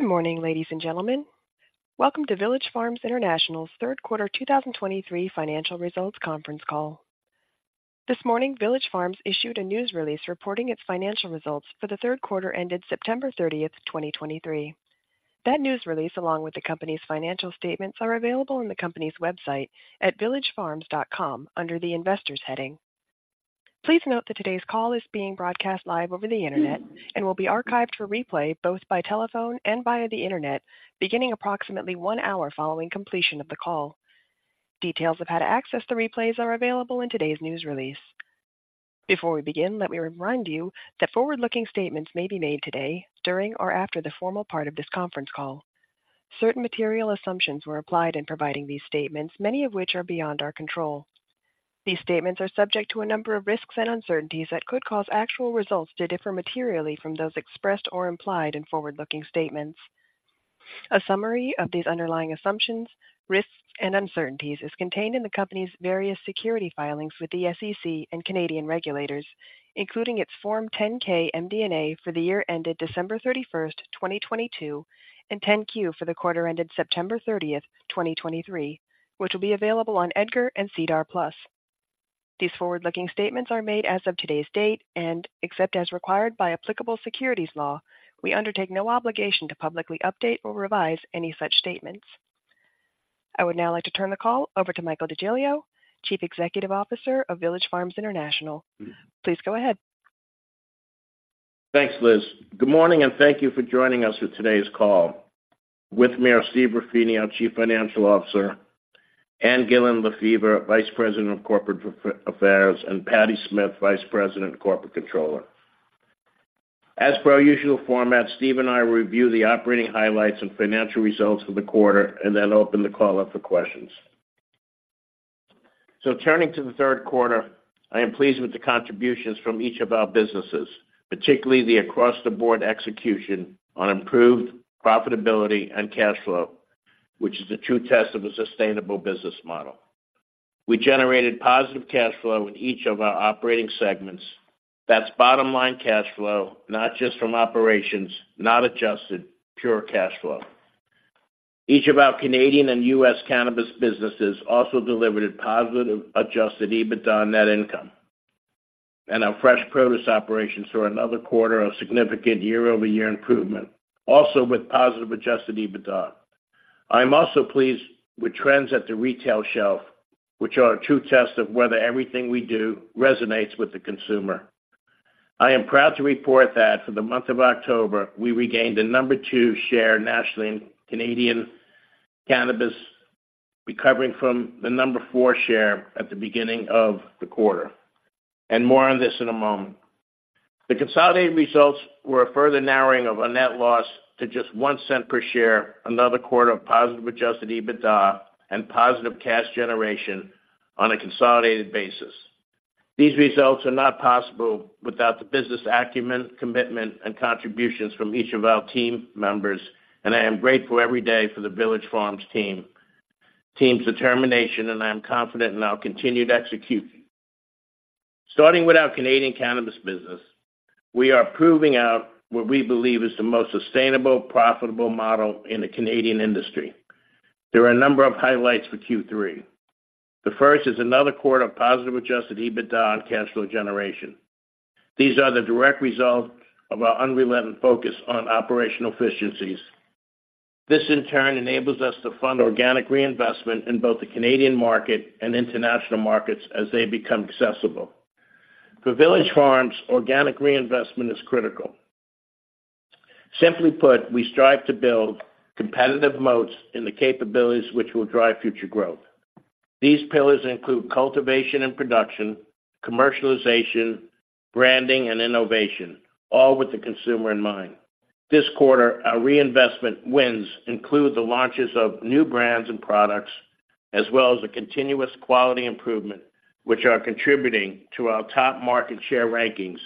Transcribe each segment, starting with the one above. Good morning, ladies and gentlemen. Welcome to Village Farms International's third quarter 2023 financial results conference call. This morning, Village Farms issued a news release reporting its financial results for the third quarter ended September 30, 2023. That news release, along with the company's financial statements, are available on the company's website at villagefarms.com under the Investors heading. Please note that today's call is being broadcast live over the internet and will be archived for replay, both by telephone and via the internet, beginning approximately one hour following completion of the call. Details of how to access the replays are available in today's news release. Before we begin, let me remind you that forward-looking statements may be made today during or after the formal part of this conference call. Certain material assumptions were applied in providing these statements, many of which are beyond our control. These statements are subject to a number of risks and uncertainties that could cause actual results to differ materially from those expressed or implied in forward-looking statements. A summary of these underlying assumptions, risks, and uncertainties is contained in the company's various securities filings with the SEC and Canadian regulators, including its Form 10-K MD&A for the year ended December 31st, 2022, and 10-Q for the quarter ended September 30th, 2023, which will be available on EDGAR and SEDAR+. These forward-looking statements are made as of today's date, and except as required by applicable securities law, we undertake no obligation to publicly update or revise any such statements. I would now like to turn the call over to Michael DeGiglio, Chief Executive Officer of Village Farms International. Please go ahead. Thanks, Liz. Good morning, and thank you for joining us for today's call. With me are Steve Ruffini, our Chief Financial Officer, Ann Gillin Lefever, Vice President of Corporate Affairs, and Patty Smith, Vice President and Corporate Controller. As per our usual format, Steve and I will review the operating highlights and financial results for the quarter and then open the call up for questions. Turning to the third quarter, I am pleased with the contributions from each of our businesses, particularly the across-the-board execution on improved profitability and cash flow, which is a true test of a sustainable business model. We generated positive cash flow in each of our operating segments. That's bottom-line cash flow, not just from operations, not adjusted, pure cash flow. Each of our Canadian and U.S. cannabis businesses also delivered a positive adjusted EBITDA on net income, and our fresh produce operations saw another quarter of significant year-over-year improvement, also with positive adjusted EBITDA. I'm also pleased with trends at the retail shelf, which are a true test of whether everything we do resonates with the consumer. I am proud to report that for the month of October, we regained the number two share nationally in Canadian cannabis, recovering from the number four share at the beginning of the quarter, and more on this in a moment. The consolidated results were a further narrowing of our net loss to just $0.01 per share, another quarter of positive adjusted EBITDA and positive cash generation on a consolidated basis. These results are not possible without the business acumen, commitment, and contributions from each of our team members, and I am grateful every day for the Village Farms team, team's determination, and I am confident in our continued execution. Starting with our Canadian cannabis business, we are proving out what we believe is the most sustainable, profitable model in the Canadian industry. There are a number of highlights for Q3. The first is another quarter of positive adjusted EBITDA and cash flow generation. These are the direct result of our unrelenting focus on operational efficiencies. This, in turn, enables us to fund organic reinvestment in both the Canadian market and international markets as they become accessible. For Village Farms, organic reinvestment is critical. Simply put, we strive to build competitive moats in the capabilities which will drive future growth. These pillars include cultivation and production, commercialization, branding, and innovation, all with the consumer in mind. This quarter, our reinvestment wins include the launches of new brands and products, as well as the continuous quality improvement, which are contributing to our top market share rankings,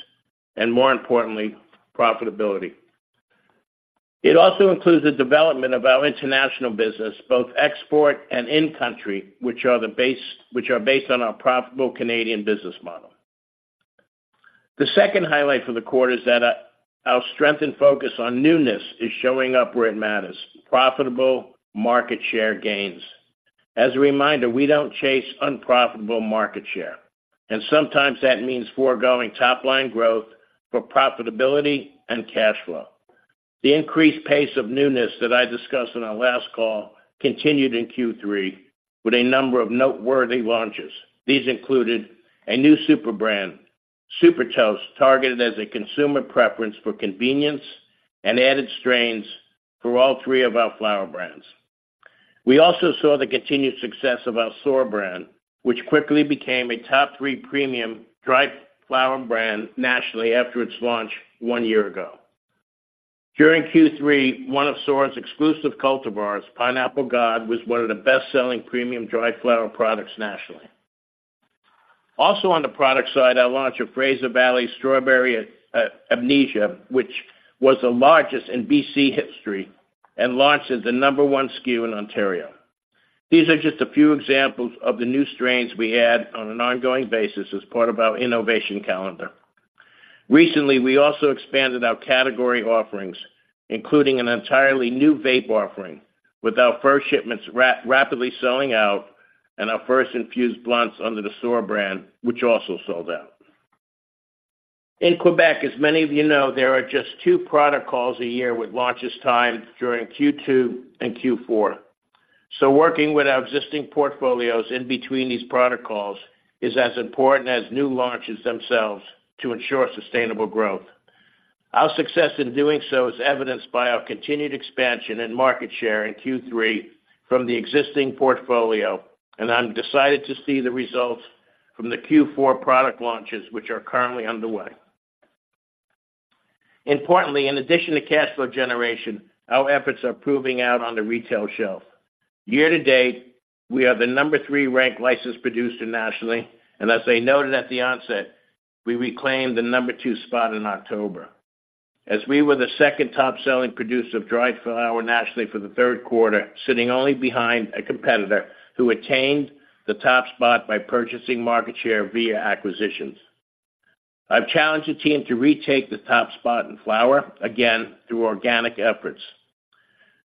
and more importantly, profitability. It also includes the development of our international business, both export and in-country, which are based on our profitable Canadian business model. The second highlight for the quarter is that our strengthened focus on newness is showing up where it matters: profitable market share gains. As a reminder, we don't chase unprofitable market share, and sometimes that means foregoing top-line growth for profitability and cash flow. The increased pace of newness that I discussed on our last call continued in Q3 with a number of noteworthy launches. These included a new super brand, SuperToast, targeted as a consumer preference for convenience and added strains for all three of our flower brands. We also saw the continued success of our Soar brand, which quickly became a top three premium dried flower brand nationally after its launch one year ago. During Q3, one of Soar's exclusive cultivars, Pineapple God, was one of the best-selling premium dried flower products nationally. Also on the product side, our launch of Fraser Valley Strawberry Amnesia, which was the largest in BC history and launched as the number one SKU in Ontario. These are just a few examples of the new strains we add on an ongoing basis as part of our innovation calendar. Recently, we also expanded our category offerings, including an entirely new vape offering, with our first shipments rapidly selling out and our first infused blunts under the Soar brand, which also sold out. In Quebec, as many of you know, there are just two product calls a year, with launches timed during Q2 and Q4. So working with our existing portfolios in between these product calls is as important as new launches themselves to ensure sustainable growth. Our success in doing so is evidenced by our continued expansion and market share in Q3 from the existing portfolio, and I'm excited to see the results from the Q4 product launches, which are currently underway. Importantly, in addition to cash flow generation, our efforts are proving out on the retail shelf. Year to date, we are the number three ranked Licensed Producer nationally, and as I noted at the onset, we reclaimed the number two spot in October, as we were the second top-selling producer of dried flower nationally for the third quarter, sitting only behind a competitor who attained the top spot by purchasing market share via acquisitions. I've challenged the team to retake the top spot in flower again through organic efforts.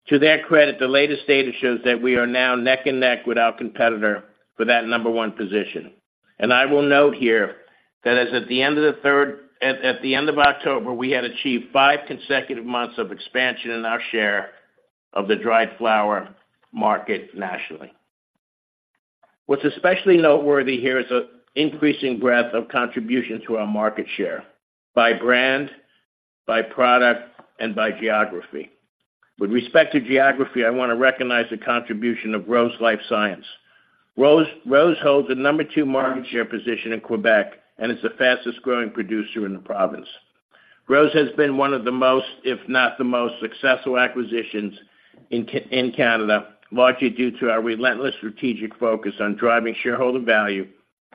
To their credit, the latest data shows that we are now neck and neck with our competitor for that number 1 position. I will note here that as at the end of October, we had achieved five consecutive months of expansion in our share of the dried flower market nationally. What's especially noteworthy here is the increasing breadth of contribution to our market share by brand, by product, and by geography. With respect to geography, I want to recognize the contribution of ROSE LifeScience. ROSE holds the number two market share position in Quebec and is the fastest-growing producer in the province. ROSE has been one of the most, if not the most, successful acquisitions in Canada, largely due to our relentless strategic focus on driving shareholder value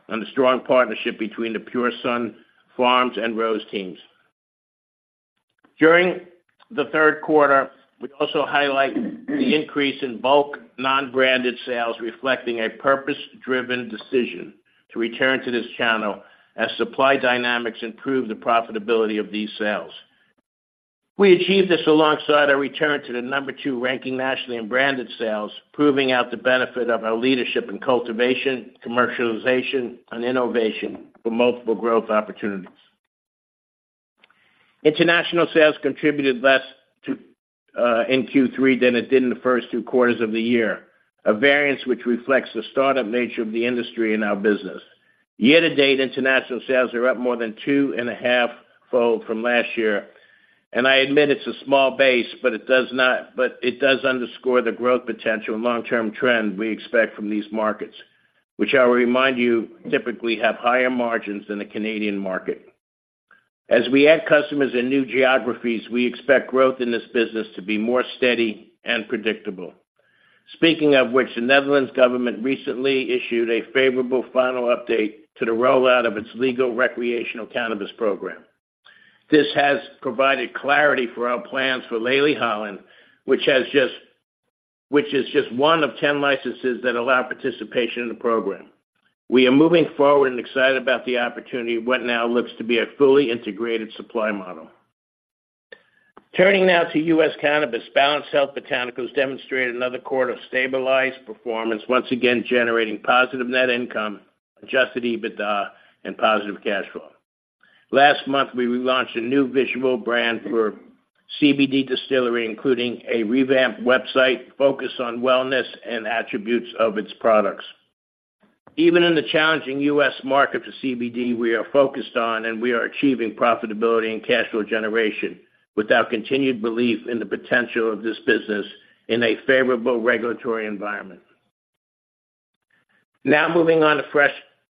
and the strong partnership between the Pure Sunfarms and ROSE teams. During the third quarter, we also highlight the increase in bulk non-branded sales, reflecting a purpose-driven decision to return to this channel as supply dynamics improve the profitability of these sales. We achieved this alongside our return to the number two ranking nationally in branded sales, proving out the benefit of our leadership in cultivation, commercialization, and innovation for multiple growth opportunities. International sales contributed less to in Q3 than it did in the first two quarters of the year, a variance which reflects the start-up nature of the industry and our business. Year to date, international sales are up more than 2.5-fold from last year, and I admit it's a small base, but it does underscore the growth potential and long-term trend we expect from these markets, which I will remind you, typically have higher margins than the Canadian market. As we add customers in new geographies, we expect growth in this business to be more steady and predictable. Speaking of which, the Netherlands government recently issued a favorable final update to the rollout of its legal recreational cannabis program. This has provided clarity for our plans for Leli Holland, which is just one of 10 licenses that allow participation in the program. We are moving forward and excited about the opportunity of what now looks to be a fully integrated supply model. Turning now to U.S. cannabis, Balanced Health Botanicals demonstrated another quarter of stabilized performance, once again generating positive net income, adjusted EBITDA, and positive cash flow. Last month, we relaunched a new visual brand for CBDistillery, including a revamped website focused on wellness and attributes of its products. Even in the challenging U.S. market for CBD, we are focused on, and we are achieving profitability and cash flow generation with our continued belief in the potential of this business in a favorable regulatory environment. Now, moving on to fresh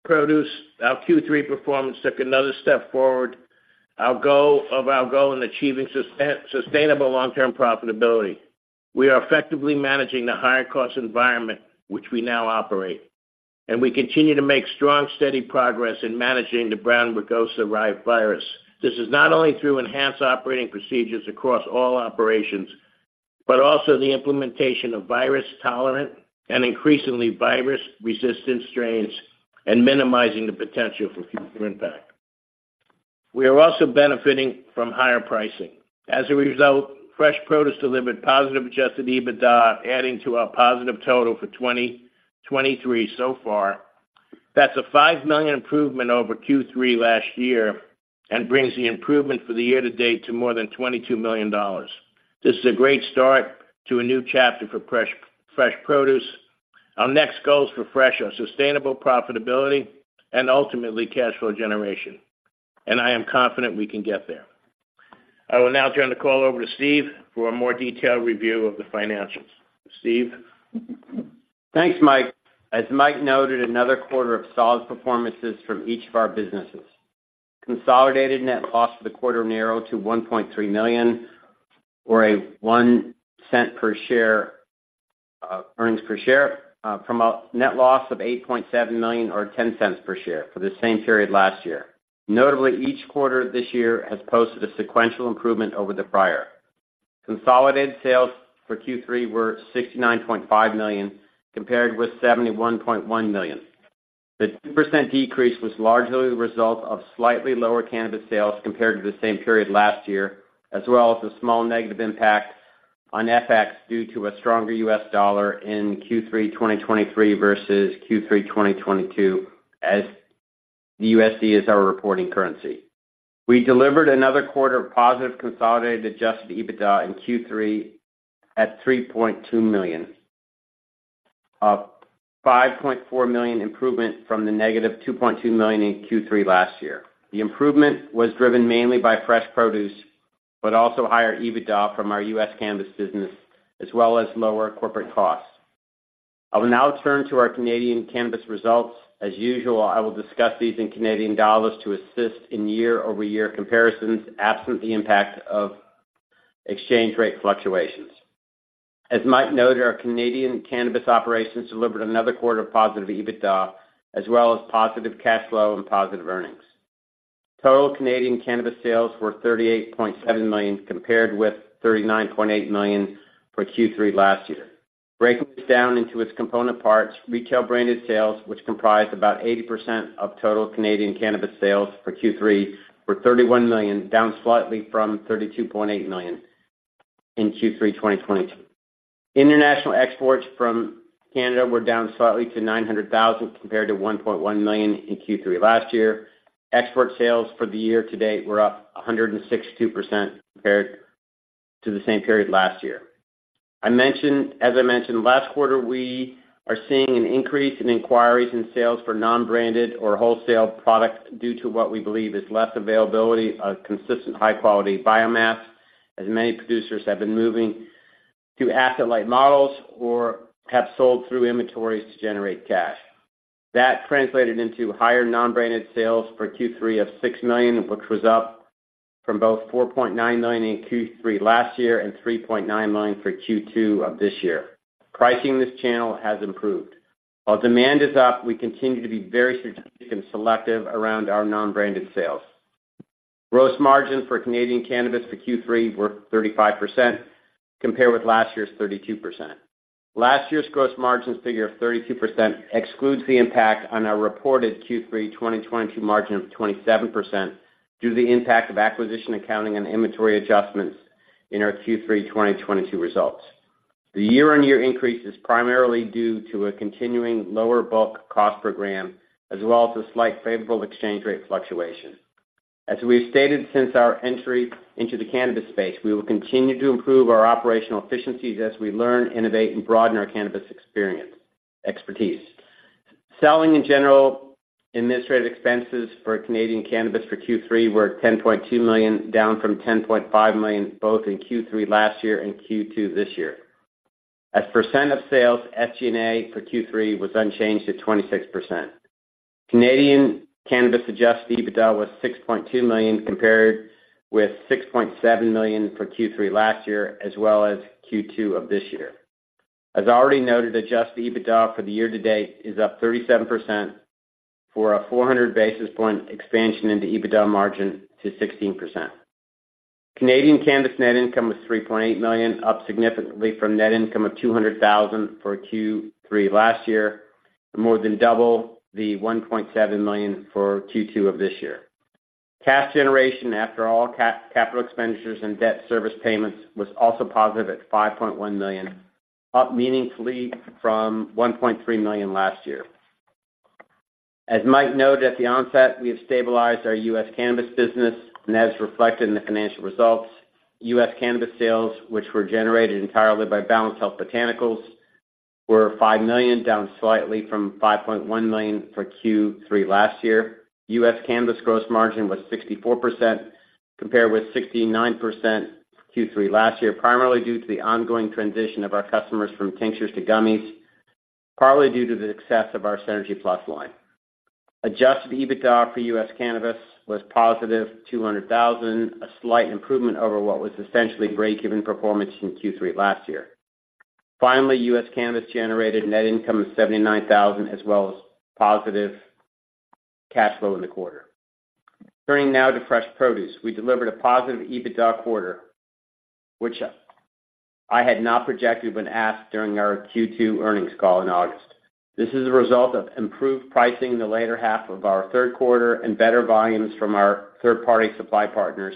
produce. Our Q3 performance took another step forward. Our goal in achieving sustainable long-term profitability. We are effectively managing the higher-cost environment in which we now operate, and we continue to make strong, steady progress in managing the brown rugose fruit virus. This is not only through enhanced operating procedures across all operations, but also the implementation of virus-tolerant and increasingly virus-resistant strains and minimizing the potential for future impact. We are also benefiting from higher pricing. As a result, fresh produce delivered positive adjusted EBITDA, adding to our positive total for 2023 so far. That's a $5 million improvement over Q3 last year and brings the improvement for the year to date to more than $22 million. This is a great start to a new chapter for fresh produce. Our next goal is for fresh produce, our sustainable profitability and ultimately cash flow generation, and I am confident we can get there. I will now turn the call over to Steve for a more detailed review of the financials. Steve? Thanks, Mike. As Mike noted, another quarter of solid performances from each of our businesses. Consolidated net loss for the quarter narrowed to $1.3 million, or $0.01 earnings per share, from a net loss of $8.7 million, or $0.10 per share, for the same period last year. Notably, each quarter this year has posted a sequential improvement over the prior. Consolidated sales for Q3 were $69.5 million, compared with $71.1 million. The 2% decrease was largely the result of slightly lower cannabis sales compared to the same period last year, as well as a small negative impact on FX due to a stronger U.S. dollar in Q3 2023 versus Q3 2022, as the USD is our reporting currency. We delivered another quarter of positive consolidated adjusted EBITDA in Q3 at $3.2 million, a $5.4 million improvement from the -$2.2 million in Q3 last year. The improvement was driven mainly by fresh produce, but also higher EBITDA from our U.S. cannabis business, as well as lower corporate costs. I will now turn to our Canadian cannabis results. As usual, I will discuss these in Canadian dollars to assist in year-over-year comparisons, absent the impact of exchange rate fluctuations. As Mike noted, our Canadian cannabis operations delivered another quarter of positive EBITDA, as well as positive cash flow and positive earnings. Total Canadian cannabis sales were 38.7 million, compared with 39.8 million for Q3 last year. Breaking this down into its component parts, retail-branded sales, which comprised about 80% of total Canadian cannabis sales for Q3, were 31 million, down slightly from 32.8 million in Q3 2022. International exports from Canada were down slightly to 900,000, compared to 1.1 million in Q3 last year. Export sales for the year to date were up 162% compared to the same period last year. As I mentioned last quarter, we are seeing an increase in inquiries and sales for non-branded or wholesale products due to what we believe is less availability of consistent high-quality biomass, as many producers have been moving to asset-light models or have sold through inventories to generate cash. That translated into higher non-branded sales for Q3 of 6 million, which was up from both 4.9 million in Q3 last year and 3.9 million for Q2 of this year. Pricing in this channel has improved. While demand is up, we continue to be very strategic and selective around our non-branded sales. Gross margin for Canadian cannabis for Q3 were 35%, compared with last year's 32%. Last year's gross margins figure of 32% excludes the impact on our reported Q3 2022 margin of 27%, due to the impact of acquisition, accounting, and inventory adjustments in our Q3 2022 results. The year-on-year increase is primarily due to a continuing lower bulk cost per gram, as well as a slight favorable exchange rate fluctuation. As we've stated since our entry into the cannabis space, we will continue to improve our operational efficiencies as we learn, innovate, and broaden our cannabis expertise. Selling and general administrative expenses for Canadian cannabis for Q3 were 10.2 million, down from 10.5 million, both in Q3 last year and Q2 this year. As percent of sales, SG&A for Q3 was unchanged at 26%. Canadian cannabis adjusted EBITDA was 6.2 million, compared with 6.7 million for Q3 last year, as well as Q2 of this year. As already noted, adjusted EBITDA for the year to date is up 37% for a 400 basis point expansion into EBITDA margin to 16%. Canadian cannabis net income was 3.8 million, up significantly from net income of 200,000 for Q3 last year, more than double the 1.7 million for Q2 of this year. Cash generation, after all capital expenditures and debt service payments, was also positive at $5.1 million, up meaningfully from $1.3 million last year. As Mike noted at the onset, we have stabilized our U.S. cannabis business, and as reflected in the financial results, U.S. cannabis sales, which were generated entirely by Balanced Health Botanicals, were $5 million, down slightly from $5.1 million for Q3 last year. U.S. cannabis gross margin was 64%, compared with 69% Q3 last year, primarily due to the ongoing transition of our customers from tinctures to gummies, partly due to the success of our Synergy+ line. adjusted EBITDA for U.S. cannabis was positive $200,000, a slight improvement over what was essentially break-even performance in Q3 last year. Finally, U.S. cannabis generated net income of $79,000, as well as positive cash flow in the quarter. Turning now to fresh produce. We delivered a positive EBITDA quarter, which I had not projected when asked during our Q2 earnings call in August. This is a result of improved pricing in the latter half of our third quarter and better volumes from our third-party supply partners,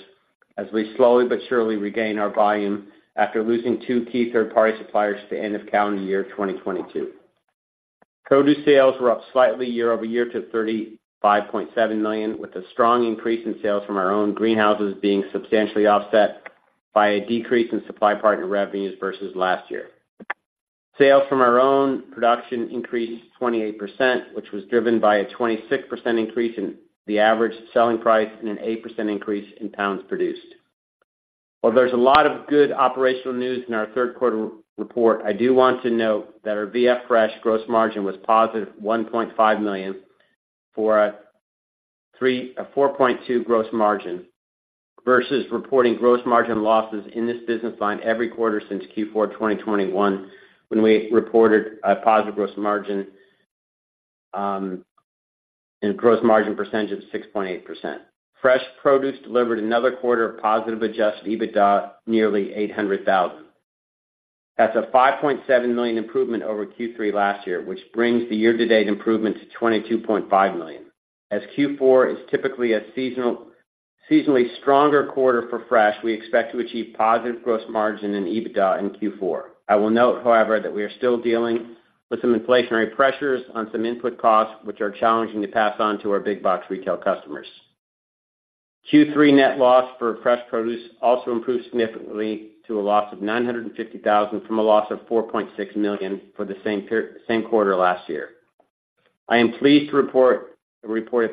as we slowly but surely regain our volume after losing two key third-party suppliers to end of calendar year 2022. Produce sales were up slightly year-over-year to $35.7 million, with a strong increase in sales from our own greenhouses being substantially offset by a decrease in supply partner revenues versus last year. Sales from our own production increased 28%, which was driven by a 26% increase in the average selling price and an 8% increase in pounds produced. While there's a lot of good operational news in our third quarter report, I do want to note that our VF Fresh gross margin was positive $1.5 million for a 4.2% gross margin, versus reporting gross margin losses in this business line every quarter since Q4 2021, when we reported a positive gross margin, and gross margin percentage of 6.8%. Fresh produce delivered another quarter of positive adjusted EBITDA, nearly $800,000. That's a $5.7 million improvement over Q3 last year, which brings the year-to-date improvement to $22.5 million. As Q4 is typically a seasonal, seasonally stronger quarter for Fresh, we expect to achieve positive gross margin in EBITDA in Q4. I will note, however, that we are still dealing with some inflationary pressures on some input costs, which are challenging to pass on to our big box retail customers. Q3 net loss for fresh produce also improved significantly to a loss of $950,000 from a loss of $4.6 million for the same quarter last year. I am pleased to report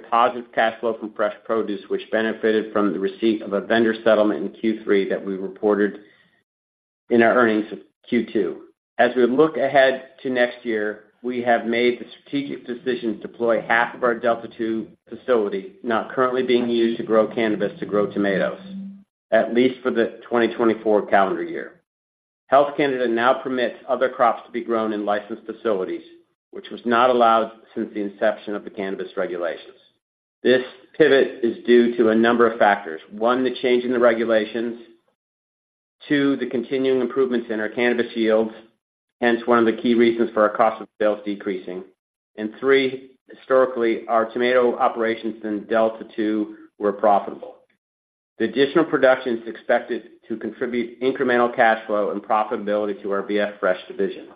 positive cash flow from fresh produce, which benefited from the receipt of a vendor settlement in Q3 that we reported in our earnings of Q2. As we look ahead to next year, we have made the strategic decision to deploy half of our Delta 2 facility, not currently being used to grow cannabis, to grow tomatoes, at least for the 2024 calendar year. Health Canada now permits other crops to be grown in licensed facilities, which was not allowed since the inception of the cannabis regulations. This pivot is due to a number of factors: one, the change in the regulations, two, the continuing improvements in our cannabis yields, hence one of the key reasons for our cost of sales decreasing, and three, historically, our tomato operations in Delta 2 were profitable. The additional production is expected to contribute incremental cash flow and profitability to our VF Fresh division.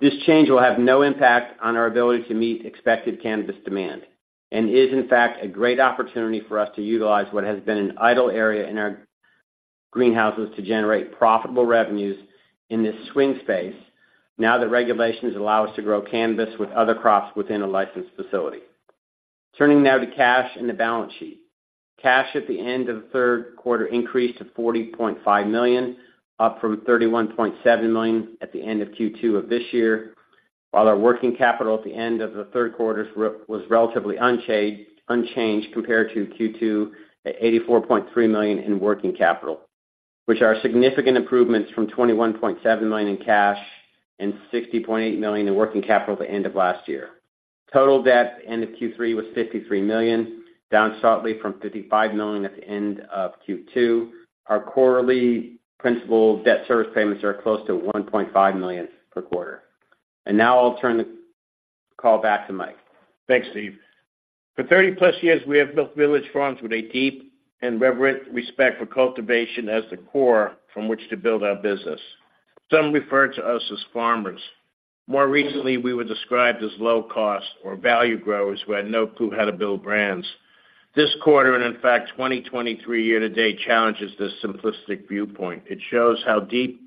This change will have no impact on our ability to meet expected cannabis demand and is, in fact, a great opportunity for us to utilize what has been an idle area in our greenhouses to generate profitable revenues in this swing space now that regulations allow us to grow cannabis with other crops within a licensed facility. Turning now to cash and the balance sheet. Cash at the end of the third quarter increased to $40.5 million, up from $31.7 million at the end of Q2 of this year. While our working capital at the end of the third quarter was relatively unchanged compared to Q2, at $84.3 million in working capital, which are significant improvements from $21.7 million in cash and $60.8 million in working capital at the end of last year. Total debt at the end of Q3 was $53 million, down slightly from $55 million at the end of Q2. Our quarterly principal debt service payments are close to $1.5 million per quarter. Now I'll turn the call back to Mike. Thanks, Steve. For 30+ years, we have built Village Farms with a deep and reverent respect for cultivation as the core from which to build our business. Some refer to us as farmers. More recently, we were described as low cost or value growers who had no clue how to build brands. This quarter, and in fact, 2023 year-to-date, challenges this simplistic viewpoint. It shows how deep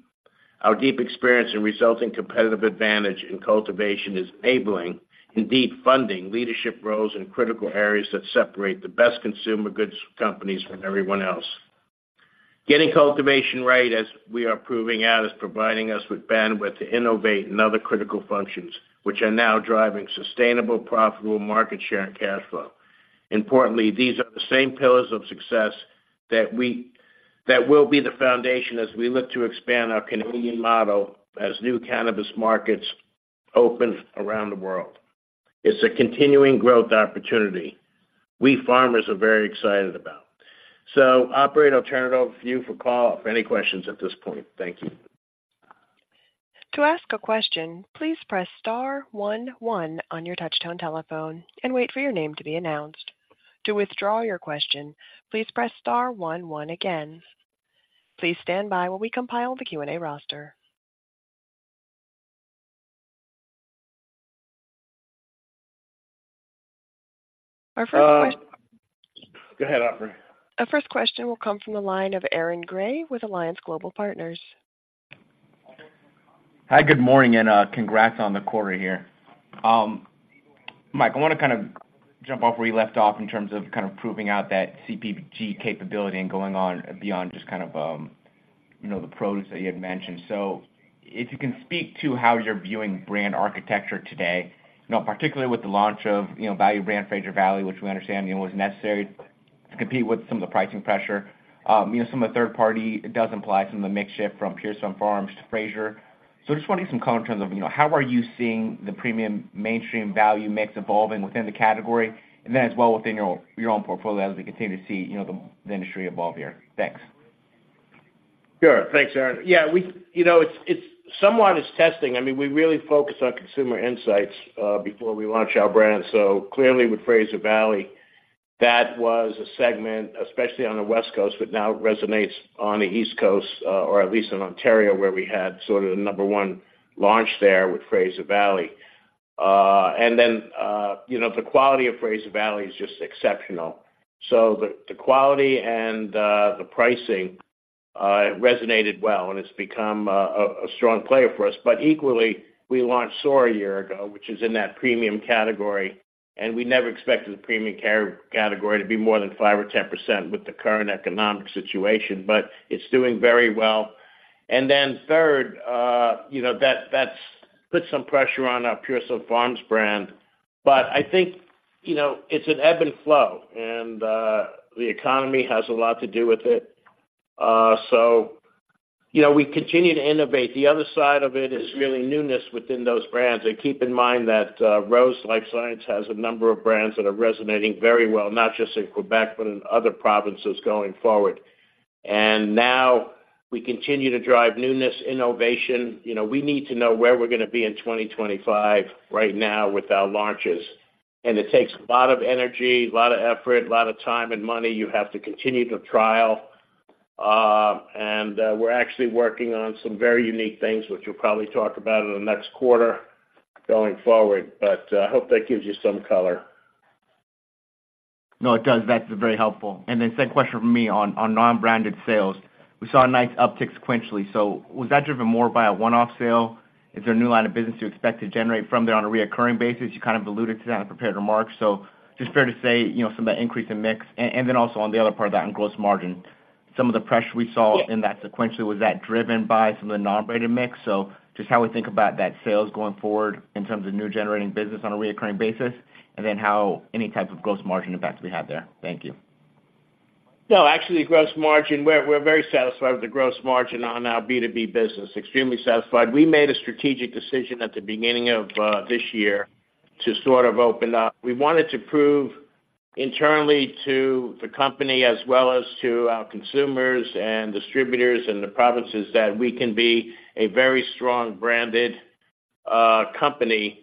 our deep experience and resulting competitive advantage in cultivation is enabling, indeed funding, leadership roles in critical areas that separate the best consumer goods companies from everyone else. Getting cultivation right, as we are proving out, is providing us with bandwidth to innovate in other critical functions, which are now driving sustainable, profitable market share and cash flow. Importantly, these are the same pillars of success that will be the foundation as we look to expand our Canadian model as new cannabis markets open around the world. It's a continuing growth opportunity we farmers are very excited about. So operator, I'll turn it over to you for call, for any questions at this point. Thank you. To ask a question, please press star one one on your touchtone telephone and wait for your name to be announced. To withdraw your question, please press star one one again. Please stand by while we compile the Q&A roster. Our first question- Go ahead, operator. Our first question will come from the line of Aaron Grey with Alliance Global Partners. Hi, good morning, and congrats on the quarter here. Mike, I want to kind of jump off where you left off in terms of kind of proving out that CPG capability and going on beyond just kind of, you know, the produce that you had mentioned. So if you can speak to how you're viewing brand architecture today, you know, particularly with the launch of, you know, value brand Fraser Valley, which we understand, you know, was necessary to compete with some of the pricing pressure. You know, some of the third party does imply some of the mix shift from Pure Sunfarms to Fraser. Just want to get some color in terms of, you know, how are you seeing the premium mainstream value mix evolving within the category and then as well within your, your own portfolio as we continue to see, you know, the, the industry evolve here? Thanks. Sure. Thanks, Aaron. Yeah, we—you know, it's somewhat testing. I mean, we really focus on consumer insights before we launch our brand. So clearly, with Fraser Valley, that was a segment, especially on the West Coast, but now it resonates on the East Coast, or at least in Ontario, where we had sort of the number one launch there with Fraser Valley. And then, you know, the quality of Fraser Valley is just exceptional. So the quality and the pricing resonated well, and it's become a strong player for us. But equally, we launched Soar a year ago, which is in that premium category, and we never expected the premium category to be more than 5% or 10% with the current economic situation, but it's doing very well. Then third, you know, that, that's put some pressure on our Pure Sunfarms brand. But I think, you know, it's an ebb and flow, and the economy has a lot to do with it. So, you know, we continue to innovate. The other side of it is really newness within those brands and keep in mind that ROSE LifeScience has a number of brands that are resonating very well, not just in Quebec, but in other provinces going forward. And now, we continue to drive newness, innovation. You know, we need to know where we're going to be in 2025 right now with our launches. And it takes a lot of energy, a lot of effort, a lot of time and money. You have to continue to trial. And we're actually working on some very unique things, which we'll probably talk about in the next quarter going forward, but I hope that gives you some color. No, it does. That's very helpful. And then second question from me on non-branded sales. We saw a nice uptick sequentially, so was that driven more by a one-off sale? Is there a new line of business you expect to generate from there on a recurring basis? You've kind of alluded to that in prepared remarks, so just fair to say, you know, some of the increase in mix. And then also on the other part of that, on gross margin, some of the pressure we saw in that sequentially, was that driven by some of the non-branded mix? So just how we think about that sales going forward in terms of new generating business on a recurring basis, and then how any type of gross margin effects we have there. Thank you. No, actually, gross margin, we're very satisfied with the gross margin on our B2B business. Extremely satisfied. We made a strategic decision at the beginning of this year to sort of open up. We wanted to prove internally to the company as well as to our consumers and distributors and the provinces, that we can be a very strong branded company.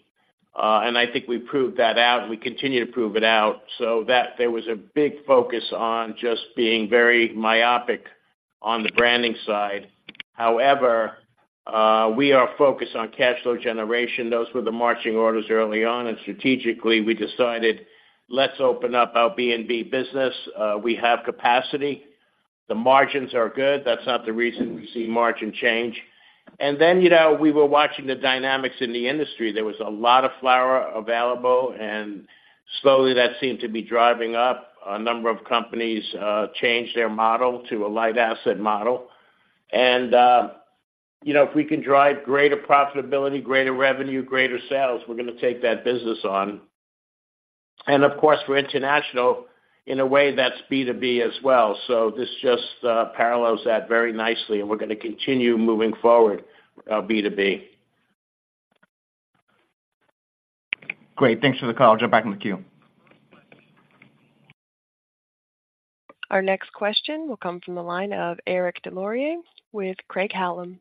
And I think we proved that out, and we continue to prove it out, so that there was a big focus on just being very myopic on the branding side. However, we are focused on cash flow generation. Those were the marching orders early on, and strategically, we decided, let's open up our B2B business. We have capacity. The margins are good. That's not the reason we see margin change. And then, you know, we were watching the dynamics in the industry. There was a lot of flower available, and slowly that seemed to be driving up. A number of companies changed their model to a light asset model. And, you know, if we can drive greater profitability, greater revenue, greater sales, we're going to take that business on. And of course, we're international in a way that's B2B as well. So, this just parallels that very nicely, and we're going to continue moving forward, our B2B. Great. Thanks for the call. I'll jump back in the queue. Our next question will come from the line of Eric Des Lauriers with Craig-Hallum.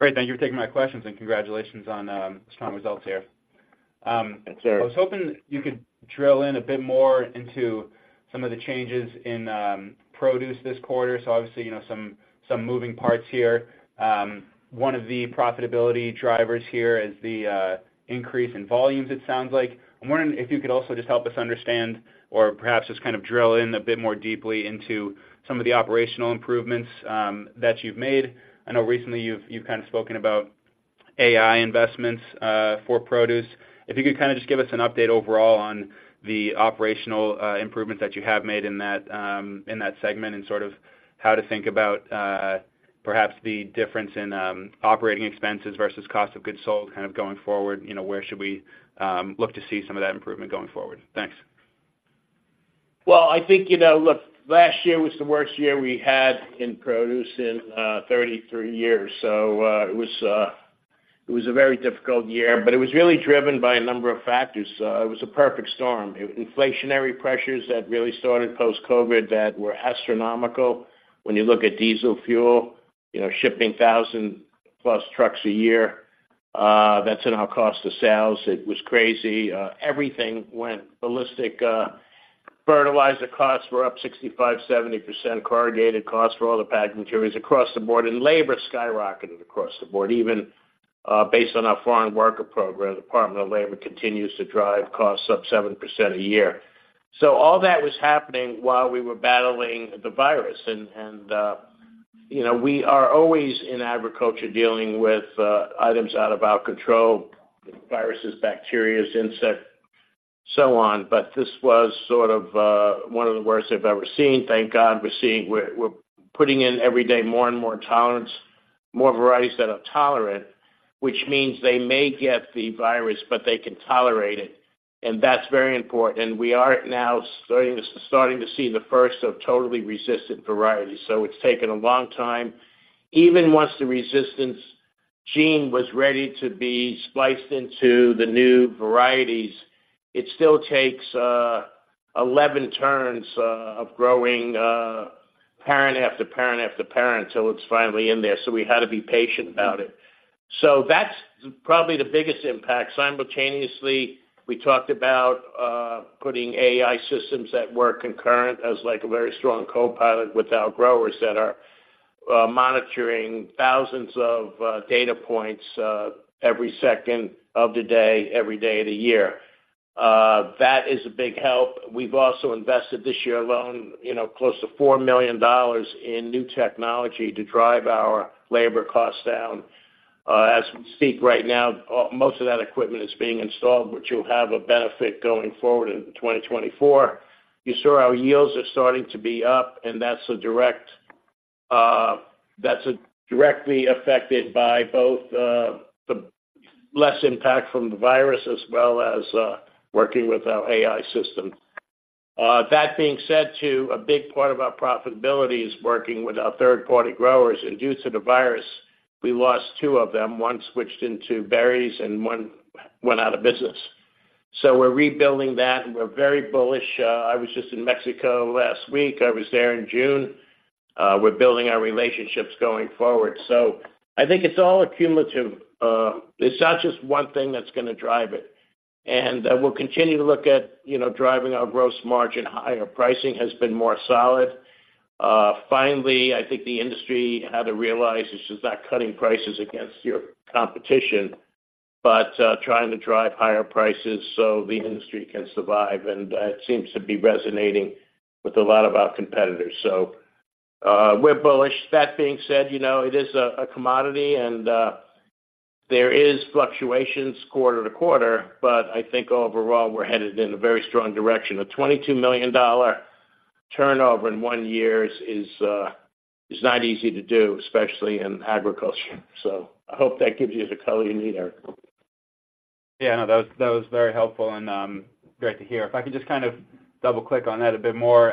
Great. Thank you for taking my questions, and congratulations on strong results here. Thanks, Eric. I was hoping you could drill in a bit more into some of the changes in produce this quarter. So obviously, you know, some moving parts here. One of the profitability drivers here is the increase in volumes, it sounds like. I'm wondering if you could also just help us understand or perhaps just kind of drill in a bit more deeply into some of the operational improvements that you've made. I know recently you've kind of spoken about AI investments for produce. If you could kind of just give us an update overall on the operational improvements that you have made in that, in that segment and sort of how to think about, perhaps the difference in, operating expenses versus cost of goods sold, kind of going forward, you know, where should we, look to see some of that improvement going forward? Thanks. Well, I think, you know, look, last year was the worst year we had in produce in 33 years. So, it was a very difficult year, but it was really driven by a number of factors. It was a perfect storm. Inflationary pressures that really started post-COVID that were astronomical. When you look at diesel fuel, you know, shipping 1,000+ trucks a year, that's in our cost of sales. It was crazy. Everything went ballistic. Fertilizer costs were up 65%-70%, corrugated costs for all the packaging materials across the board, and labor skyrocketed across the board, even based on our foreign worker program. The Department of Labor continues to drive costs up 7% a year. So, all that was happening while we were battling the virus, and you know, we are always in agriculture, dealing with items out of our control, viruses, bacteria, insects, so on. But this was sort of one of the worst I've ever seen. Thank God we're seeing- we're putting in every day more and more tolerance, more varieties that are tolerant, which means they may get the virus, but they can tolerate it, and that's very important. We are now starting to see the first of totally resistant varieties. So, it's taken a long time. Even once the resistance gene was ready to be spliced into the new varieties, it still takes 11 turns of growing parent after parent after parent, until it's finally in there. So, we had to be patient about it. So that's probably the biggest impact. Simultaneously, we talked about putting AI systems that were concurrent as like a very strong co-pilot with our growers that are monitoring thousands of data points every second of the day, every day of the year. That is a big help. We've also invested, this year alone, you know, close to $4 million in new technology to drive our labor costs down. As we speak right now, most of that equipment is being installed, which will have a benefit going forward in 2024. You saw our yields are starting to be up, and that's a direct, that's directly affected by both the less impact from the virus as well as working with our AI system. That being said, too, a big part of our profitability is working with our third-party growers, and due to the virus, we lost two of them. One switched into berries, and one went out of business. So, we're rebuilding that, and we're very bullish. I was just in Mexico last week. I was there in June. We're building our relationships going forward. So, I think it's all accumulative. It's not just one thing that's going to drive it, and we'll continue to look at, you know, driving our gross margin higher. Pricing has been more solid. Finally, I think the industry had to realize this is not cutting prices against your competition but trying to drive higher prices so the industry can survive, and it seems to be resonating with a lot of our competitors. So, we're bullish. That being said, you know, it is a commodity, and there is fluctuations quarter to quarter, but I think overall, we're headed in a very strong direction. A $22 million turnover in one years is not easy to do, especially in agriculture. So, I hope that gives you the color you need, Eric. Yeah, no, that was very helpful and, great to hear. If I could just kind of double-click on that a bit more.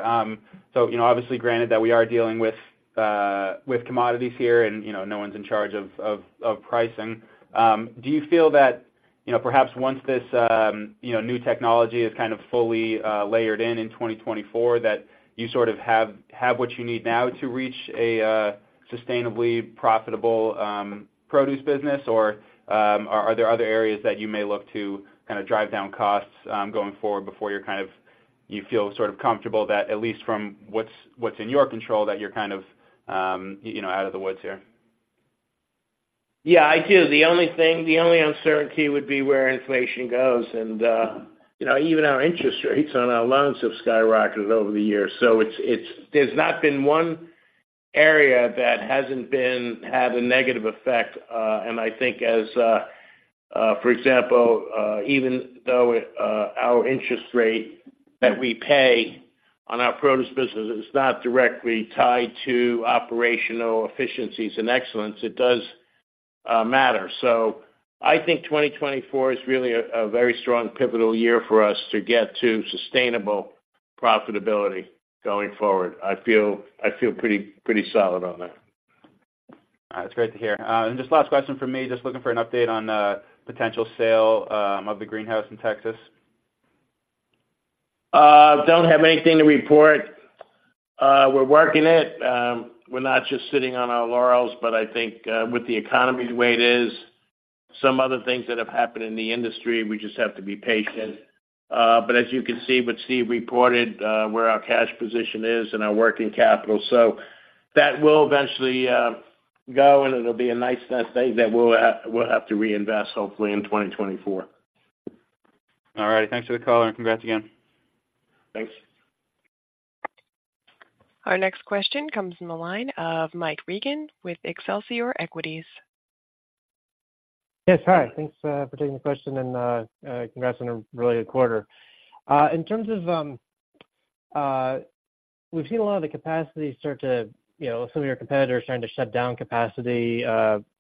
So, you know, obviously, granted that we are dealing with commodities here and, you know, no one's in charge of pricing, do you feel that, you know, perhaps once this, you know, new technology is kind of fully layered in in 2024, that you sort of have what you need now to reach a sustainably profitable produce business, or are there other areas that you may look to kind of drive down costs going forward before you're kind of, you feel sort of comfortable that at least from what's in your control, that you're kind of, you know, out of the woods here? Yeah, I do. The only thing, the only uncertainty would be where inflation goes, and, you know, even our interest rates on our loans have skyrocketed over the years. So, there's not been one area that hasn't been, had a negative effect. And I think as, for example, even though, our interest rate that we pay on our produce business is not directly tied to operational efficiencies and excellence, it does, matter. So, I think 2024 is really a very strong pivotal year for us to get to sustainable profitability going forward. I feel, I feel pretty, pretty solid on that. That's great to hear. Just last question from me. Just looking for an update on the potential sale of the greenhouse in Texas? Don't have anything to report. We're working it. We're not just sitting on our laurels, but I think, with the economy the way it is, some other things that have happened in the industry, we just have to be patient. But as you can see, what Steve reported, where our cash position is and our working capital. So that will eventually go, and it'll be a nice net thing that we'll have to reinvest hopefully in 2024. All right. Thanks for the call, and congrats again. Thanks. Our next question comes from the line of Mike Regan with Excelsior Equities. Yes, hi. Thanks, for taking the question, and, congrats on a really good quarter. In terms of, we've seen a lot of the capacity start to, you know, some of your competitors starting to shut down capacity,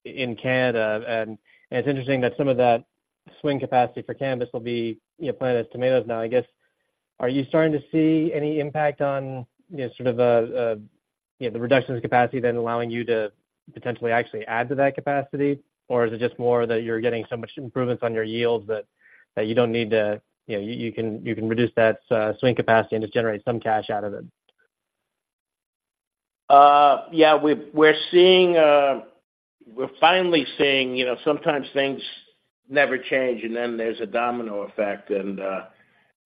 in Canada, and it's interesting that some of that swing capacity for cannabis will be, you know, planted as tomatoes now. I guess, are you starting to see any impact on, you know, sort of, you know, the reduction in capacity then allowing you to potentially actually add to that capacity? Or is it just more that you're getting so much improvements on your yields that you don't need to, you know, you can reduce that swing capacity and just generate some cash out of it? Yeah, we've, we're seeing, we're finally seeing, you know, sometimes things never change, and then there's a domino effect. And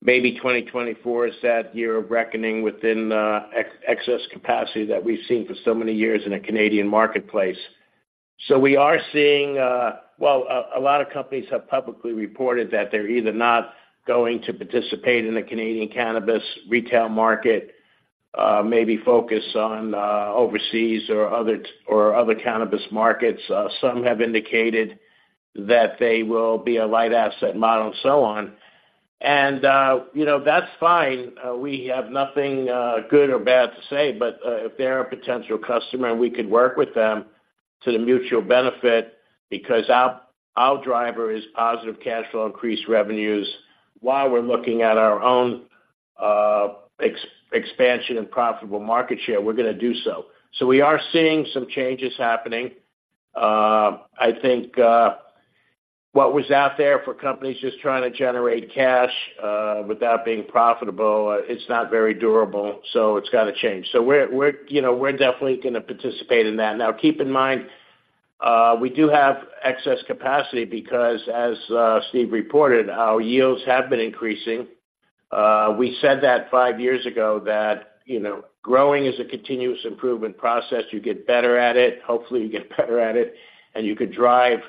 maybe 2024 is that year of reckoning within excess capacity that we've seen for so many years in the Canadian marketplace. So, we are seeing. Well, a lot of companies have publicly reported that they're either not going to participate in the Canadian cannabis retail market, maybe focus on overseas or other cannabis markets. Some have indicated that they will be a light asset model and so on, and you know, that's fine. We have nothing good or bad to say, but if they're a potential customer and we could work with them to the mutual benefit, because our driver is positive cash flow, increased revenues, while we're looking at our own expansion and profitable market share, we're going to do so. So we are seeing some changes happening. I think what was out there for companies just trying to generate cash without being profitable, it's not very durable, so it's got to change. So we're, you know, we're definitely going to participate in that. Now, keep in mind, we do have excess capacity because, as Steve reported, our yields have been increasing. We said that five years ago, that, you know, growing is a continuous improvement process. You get better at it. Hopefully, you get better at it, and you could drive,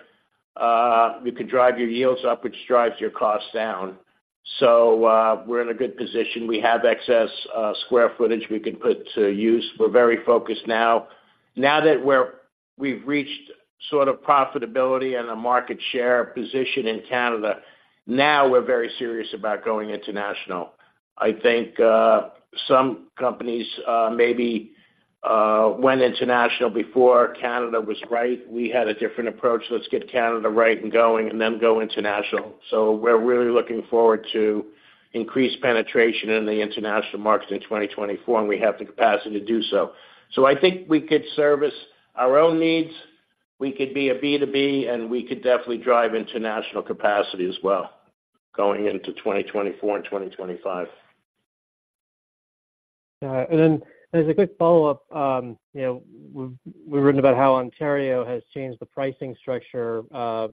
you could drive your yields up, which drives your costs down. So, we're in a good position. We have excess, square footage we can put to use. We're very focused now. Now that we're- we've reached sort of profitability and a market share position in Canada, now we're very serious about going international. I think, some companies, maybe- went international before Canada was right. We had a different approach. Let's get Canada right and going and then go international. So, we're really looking forward to increased penetration in the international markets in 2024, and we have the capacity to do so. So, I think we could service our own needs. We could be a B2B, and we could definitely drive international capacity as well, going into 2024 and 2025. And then as a quick follow-up, you know, we've written about how Ontario has changed the pricing structure,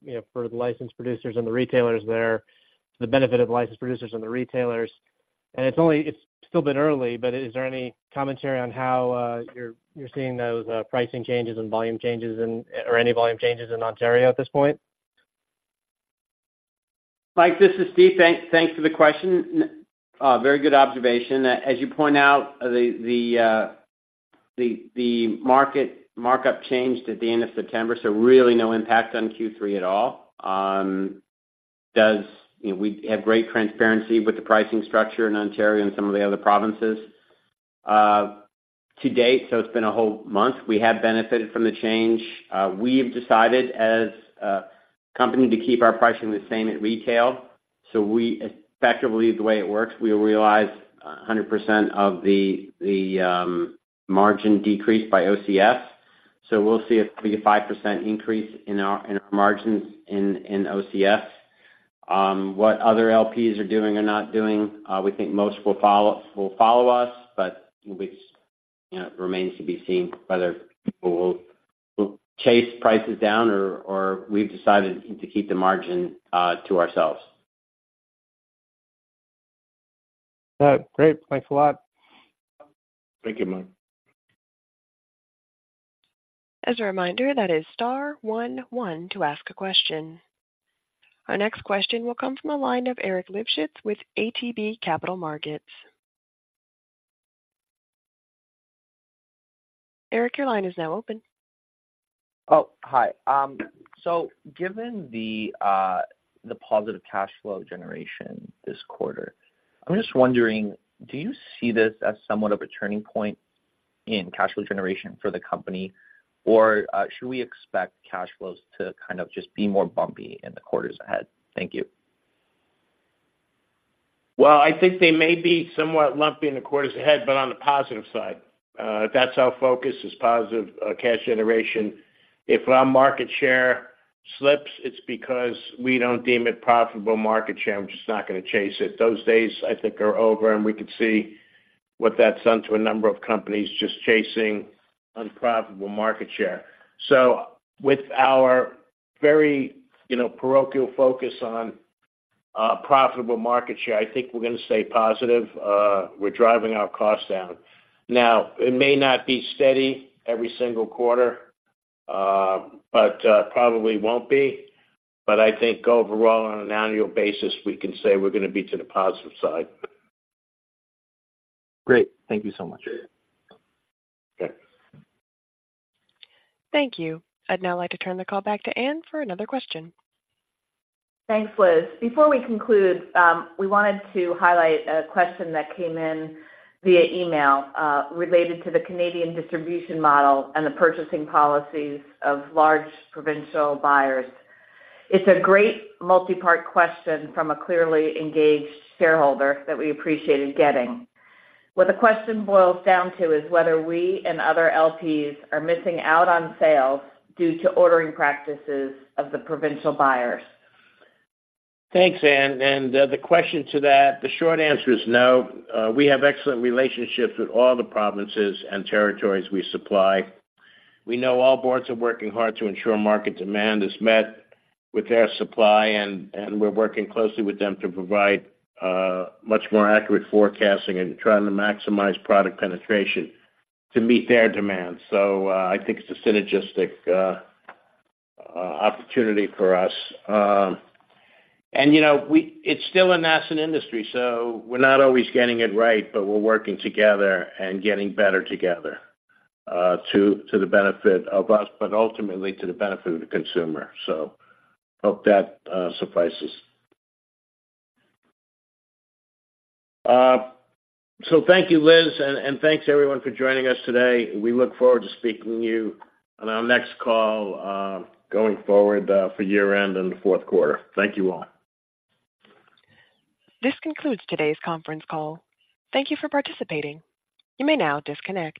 you know, for the licensed producers and the retailers there, to the benefit of the licensed producers and the retailers. It's still a bit early, but is there any commentary on how you're seeing those pricing changes and volume changes in, or any volume changes in Ontario at this point? Mike, this is Steve. Thanks for the question. Very good observation. As you point out, the market markup changed at the end of September, so really no impact on Q3 at all. You know, we have great transparency with the pricing structure in Ontario and some of the other provinces. To date, so it's been a whole month, we have benefited from the change. We've decided, as a company, to keep our pricing the same at retail. So, we effectively, the way it works, we realize 100% of the margin decrease by OCS, so we'll see a 35% increase in our margins in OCS. What other LPs are doing or not doing, we think most will follow us, but we'll be- you know, it remains to be seen whether people will chase prices down or we've decided to keep the margin to ourselves. Great. Thanks a lot. Thank you, Mike. As a reminder, that is star one one to ask a question. Our next question will come from the line of Eric Livshits with ATB Capital Markets. Eric, your line is now open. Oh, hi. So, given the positive cash flow generation this quarter, I'm just wondering, do you see this as somewhat of a turning point in cash flow generation for the company? Or should we expect cash flows to kind of just be more bumpy in the quarters ahead? Thank you. Well, I think they may be somewhat lumpy in the quarters ahead, but on the positive side, that's our focus, is positive, cash generation. If our market share slips, it's because we don't deem it profitable market share. I'm just not going to chase it. Those days, I think, are over, and we can see what that's done to a number of companies just chasing unprofitable market share. So, with our very, you know, parochial focus on, profitable market share, I think we're going to stay positive. We're driving our costs down. Now, it may not be steady every single quarter but probably won't be. But I think overall, on an annual basis, we can say we're going to be to the positive side. Great. Thank you so much. Okay. Thank you. I'd now like to turn the call back to Ann for another question. Thanks, Liz. Before we conclude, we wanted to highlight a question that came in via email related to the Canadian distribution model and the purchasing policies of large provincial buyers. It's a great multi-part question from a clearly engaged shareholder that we appreciated getting. What the question boils down to is whether we and other LPs are missing out on sales due to ordering practices of the provincial buyers? Thanks, Ann, and the question to that, the short answer is no. We have excellent relationships with all the provinces and territories we supply. We know all boards are working hard to ensure market demand is met with their supply, and, and we're working closely with them to provide much more accurate forecasting and trying to maximize product penetration to meet their demands. So, I think it's a synergistic opportunity for us. And, you know, it's still a nascent industry, so we're not always getting it right, but we're working together and getting better together, to the benefit of us, but ultimately to the benefit of the consumer. So hope that suffices. So thank you, Liz, and, and thanks, everyone, for joining us today. We look forward to speaking to you on our next call, going forward, for year-end and the fourth quarter. Thank you, all. This concludes today's conference call. Thank you for participating. You may now disconnect.